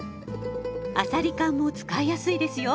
あさり缶も使いやすいですよ。